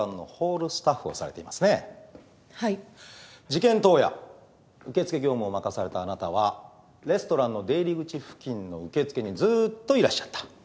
事件当夜受け付け業務を任されたあなたはレストランの出入り口付近の受付にずーっといらっしゃった。